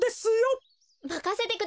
まかせてください。